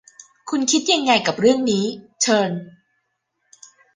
คุณคิดยังไงกับเรื่องนี้ เทิร์น